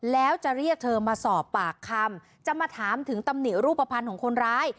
แล้วจะเรียกเธอมาสอบปากคำจะมาถามถึงตำหนิรูปภัณฑ์ของคนร้าย